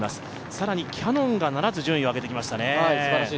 更にキヤノンが７つ順位を上げてきましたね。